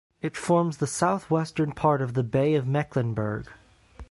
It forms the southwestern part of the Bay of Mecklenburg.